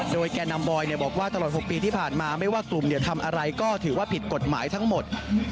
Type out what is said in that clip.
โดยแก่นำบอยบอกว่าตลอด๖ปีที่ผ่านมาไม่ว่ากลุ่มทำอะไรก็ถือว่าผิดกฎหมายทั้งหมด